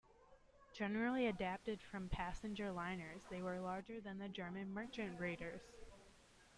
Generally adapted from passenger liners, they were larger than the German merchant raiders.